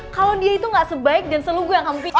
kalau dia itu gak sebaik dan selunggu yang kamu pikirkan